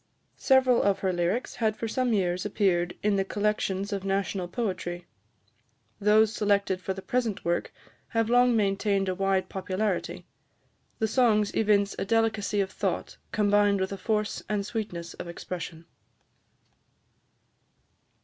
Several of her lyrics had for some years appeared in the collections of national poetry. Those selected for the present work have long maintained a wide popularity. The songs evince a delicacy of thought, combined with a force and sweetness of expression.